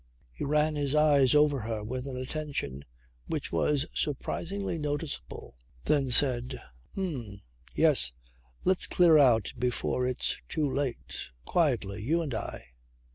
He ran his eyes over her with an attention which was surprisingly noticeable. Then said, "H'm! Yes. Let's clear out before it is too late. Quietly, you and I."